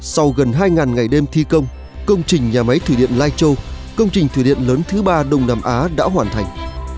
sau gần hai ngày đêm thi công công trình nhà máy thủy điện lai châu công trình thủy điện lớn thứ ba đông nam á đã hoàn thành